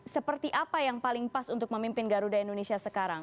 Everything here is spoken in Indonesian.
seperti apa yang paling pas untuk memimpin garuda indonesia sekarang